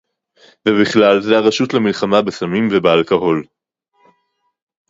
ובכלל זה הרשות למלחמה בסמים ובאלכוהול